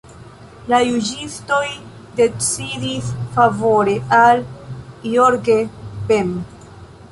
La juĝistoj decidis favore al Jorge Ben.